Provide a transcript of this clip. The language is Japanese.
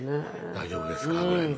大丈夫ですか？ぐらいの。